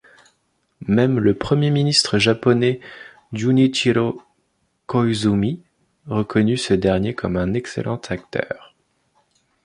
Même le premier ministre japonais Jun'ichirō Koizumi reconnut ce dernier comme un excellent acteur.